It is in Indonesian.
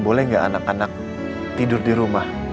boleh nggak anak anak tidur di rumah